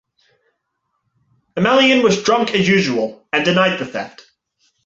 Emelyan was drunk as usual, and denied the theft.